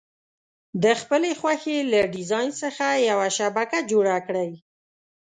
د خپلې خوښې له ډیزاین څخه یوه شبکه جوړه کړئ.